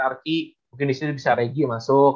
archi mungkin disini bisa regi masuk